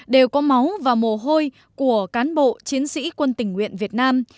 đều có máu và mồ hôi của cán bộ chiến sĩ quân tình nguyện việt nam